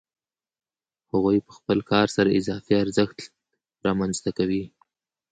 هغوی په خپل کار سره اضافي ارزښت رامنځته کوي